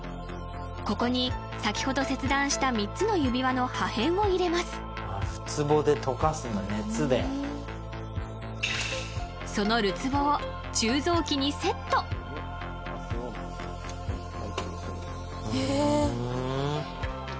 ここに先ほど切断した３つの指輪の破片を入れまするつぼで溶かすんだ熱でそのるつぼを鋳造機にセットへえ！